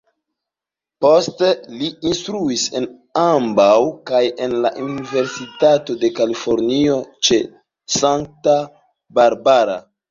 Poste li instruis en ambaŭ kaj en la Universitato de Kalifornio ĉe Santa Barbara.